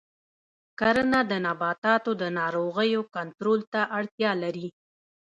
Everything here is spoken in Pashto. کرنه د نباتاتو د ناروغیو کنټرول ته اړتیا لري.